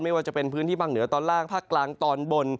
ว่าจะเป็นพื้นที่ภาคเหนือตอนล่างภาคกลางตอนบน